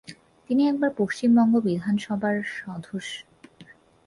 তিনি একবার পশ্চিমবঙ্গ বিধানসভার সদস্য হিসেবে নির্বাচিত হয়েছিলেন।